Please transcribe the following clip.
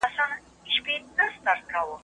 کمپيوټر د عصري نړۍ وسيله ده.